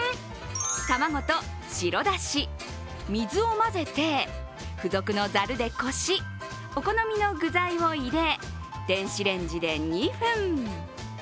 卵と白だし、水を混ぜて、附属のざるでこし、お好みの具材を入れ、電子レンジで２分。